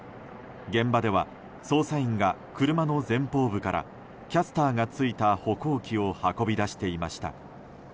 現場では捜査員が車の前方部からキャスターがついた歩行器を運び出していました。